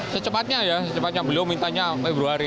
secepatnya ya secepatnya beliau mintanya februari